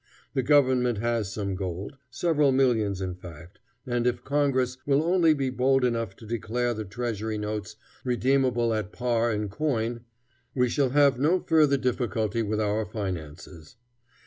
The government has some gold, several millions in fact, and if Congress will only be bold enough to declare the treasury notes redeemable at par in coin, we shall have no further difficulty with our finances.